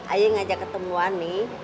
ayah ngajak ketemuan nih